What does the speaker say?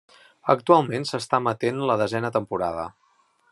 Actualment s'està emetent la desena temporada.